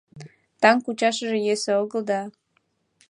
Таҥ кучашыже йӧсӧ огыл да